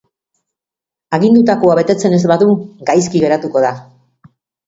Agindutakoa betetzen ez badu, gaizki geratuko da.